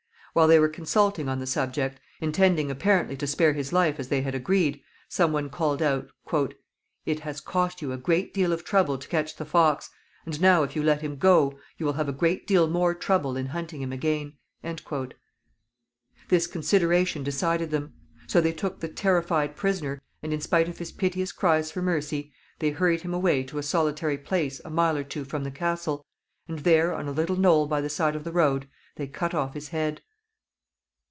While they were consulting on the subject, intending apparently to spare his life as they had agreed, some one called out, "It has cost you a great deal of trouble to catch the fox, and now, if you let him go, you will have a great deal more trouble in hunting him again." This consideration decided them; so they took the terrified prisoner, and, in spite of his piteous cries for mercy, they hurried him away to a solitary place a mile or two from the castle, and there, on a little knoll by the side of the road, they cut off his head.